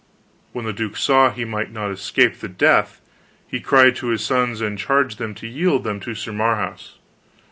When the duke saw he might not escape the death, he cried to his sons, and charged them to yield them to Sir Marhaus.